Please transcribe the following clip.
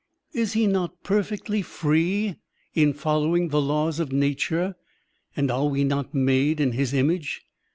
Is he not perfectly free in following the laws of nature? and are we not made in his image?